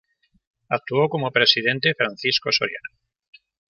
Actuó como presidente Francisco Soriano.